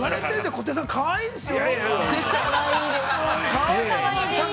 小手さんかわいいですよ。